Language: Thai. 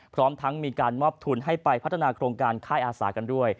พร้อมทั้งมีการมอบทุนให้ไปพัฒนาโครงการค่ายอาสากันด้วย